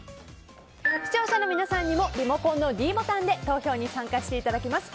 視聴者の皆さんにもリモコンのｄボタンで投票に参加していただきます。